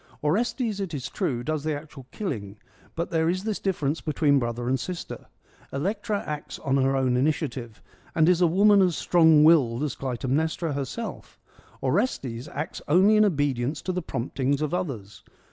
Orestes, it is true, does the actual killing ; but there is this difference between brother and sister : Electra acts on her own initia tive, and is a woman as strong willed as Clytemnestra herself ; Orestes acts only in obedience to the promptings of others.